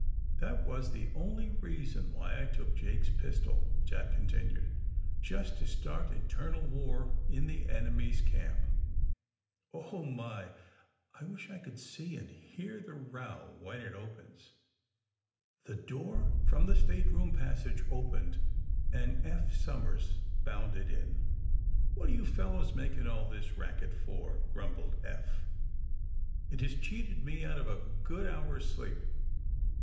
*'That was the only reason why I took Jake's pistol," Jack continued; ^^just to start internal war in the enemy's camp. Oh, my! I wish I could see and hear the row when it opens!" The door from the stateroom passage opened, and Eph Somers bounded in. What are you fellows making all this racket for!" grumbled Eph. ^^It has cheated me out of a good hour 's sleep